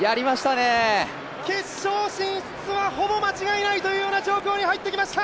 決勝進出はほぼ間違いないというような状況に入ってきました！